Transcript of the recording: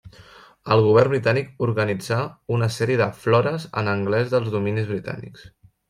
El govern britànic organitzà una sèrie de flores en anglès dels dominis britànics.